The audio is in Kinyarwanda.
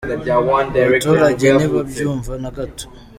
Abaturage ntibabyumva nagato.